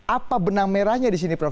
apa benang merahnya di sini prof